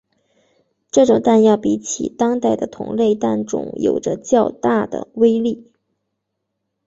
这种弹药比起当代的同类弹种有着较大的威力。